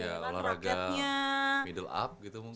ya olahraga middle up gitu